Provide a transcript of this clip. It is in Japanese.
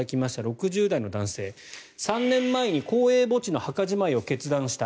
６０代の男性、３年前に公営墓地の墓じまいを決断した。